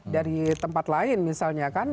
dari tempat lain misalnya